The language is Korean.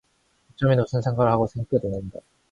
옥점이는 무슨 생각을 하고 생끗 웃는다.